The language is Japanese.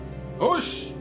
よし！